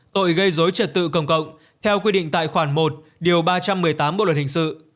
tội gây dối trật tự công cộng theo quy định tại khoản một điều ba trăm một mươi tám bộ luật hình sự